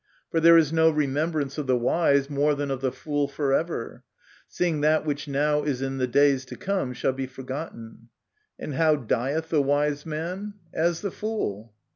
For there is no remembrance of the wise more than of the fool forever ; seeing that which now is in the days to come shall be forgotten. And how dieth the wise man? as the fool.